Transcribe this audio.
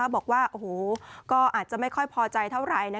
บอกว่าก็อาจจะไม่ค่อยพอใจเท่าไหร่